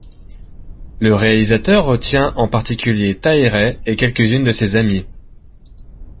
Le réalisateur retient en particulier Tahereh et quelques-unes de ses amies.